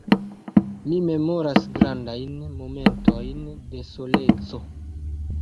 Mi memoras grandajn momentojn de soleco.